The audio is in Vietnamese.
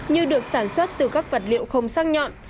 như được sản xuất từ các vật liệu không sắc nhọn